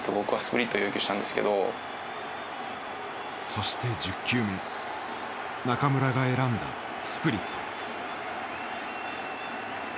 そして１０球目中村が選んだスプリット。